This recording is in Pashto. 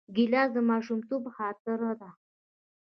ګیلاس د ماشومتوب خاطره ده.